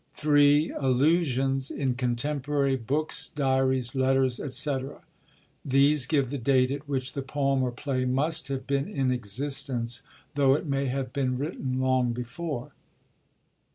(3) Allusions in contemporary books, diaries, letters, &c. These give the date at which the poem or play must have been in existence, though it may have been written long before.